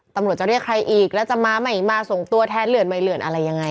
ตำรวจจะเรียกใครอีกแล้วจะมาใหม่มาส่งตัวแทนเหลือนใหม่เหลือนอะไรยังไง